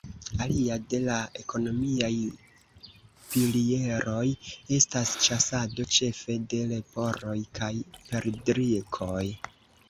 Alia de la ekonomiaj pilieroj estas ĉasado ĉefe de leporoj kaj perdrikoj.